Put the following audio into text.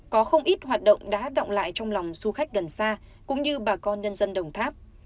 có không ít hoạt động đã động lại trong lòng du khách gần xa cũng như bà con nhân dân đồng tháp